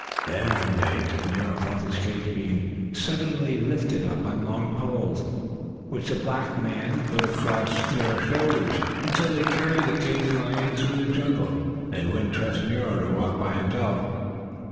Then, one day, Nero felt his cage being suddenly lifted up on long poles, which the black men put across their shoulders, and so they carried the caged lion through the jungle. They wouldn't trust Nero to walk by himself.